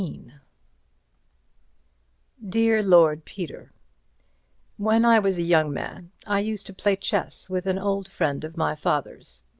XIII Dear Lord Peter—When I was a young man I used to play chess with an old friend of my father's.